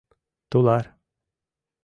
Тулар!